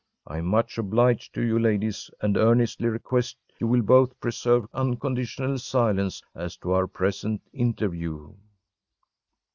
I am much obliged to you, ladies, and earnestly request you will both preserve unconditional silence as to our present interview.